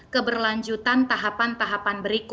keberlanjutan penyelenggaraan pilkada dan penyelenggaraan pilkada